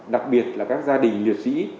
đặc biệt là các gia đình nghiệp sĩ